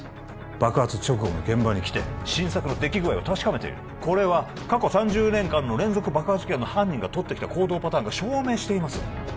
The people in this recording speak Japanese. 爆発直後の現場に来て新作の出来具合を確かめているこれは過去３０年間の連続爆破事件の犯人がとってきた行動パターンが証明しています